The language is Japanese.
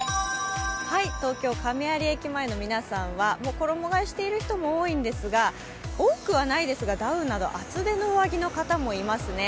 東京・亀有駅前の皆さんは衣がえしてる人も多いですが多くはないですがダウンなど厚手の上着の方もいますね。